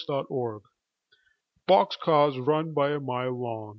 Work Gangs BOX cars run by a mile long.